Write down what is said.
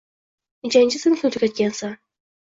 — Nechanchi sinfni tugatgansan?